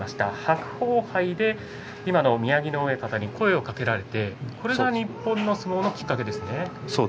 白鵬杯で今の宮城野親方に声をかけられてそれが日本の相撲のきっかけなんですね。